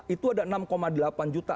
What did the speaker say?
itu ada enam delapan juta